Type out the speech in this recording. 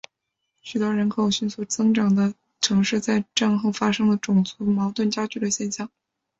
许多人口迅速增长的城市在战后发生了种族矛盾加剧的现象。